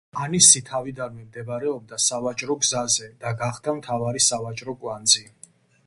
ანისი თავიდანვე მდებარეობდა სავაჭრო გზაზე და გახდა მთავარი სავაჭრო კვანძი.